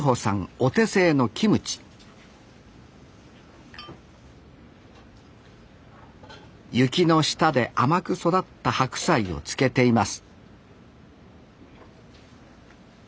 お手製のキムチ雪の下で甘く育った白菜を漬けています